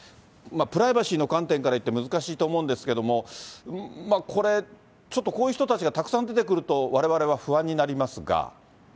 プライバシーの観点からいって、難しいと思うんですけれども、これ、ちょっとこういう人たちがたくさん出てくると、われわれは不安になりますが。